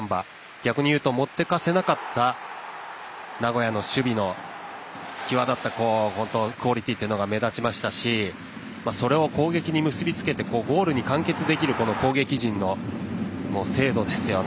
逆に言うと持っていかせなかった名古屋の守備の、際立ったクオリティーが目立ちましたしそれを攻撃に結び付けてゴールに完結できるこの攻撃陣の精度ですよね